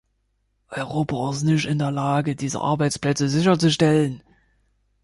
Europa ist nicht in der Lage, diese Arbeitsplätze sicherzustellen.